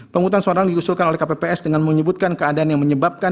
penghutang suara diusulkan oleh kpps dengan menyebutkan keadaan yang menyebabkan